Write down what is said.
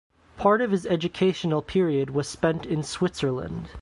Part of his educational period was spent in Switzerland.